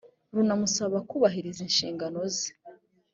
runamusaba kubahiriza inshingano ze